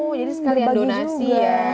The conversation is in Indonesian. oh jadi sekalian donasi